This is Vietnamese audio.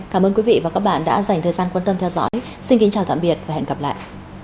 cảm ơn quý vị và các bạn đã dành thời gian quan tâm theo dõi xin kính chào tạm biệt và hẹn gặp lại